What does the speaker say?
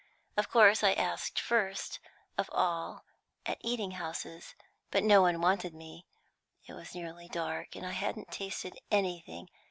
Of course I asked first of all at eating houses, but no one wanted me. It was nearly dark, and I hadn't tasted anything.